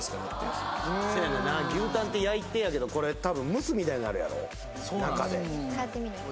んな牛タンって焼いてやけどこれ多分蒸すみたいになるやろ中で変えてみる？